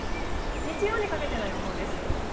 日曜にかけての予報です。